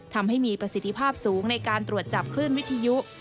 ทำให้มีประสิทธิภาพสูงในการตรวจจับคลื่นวิทยุ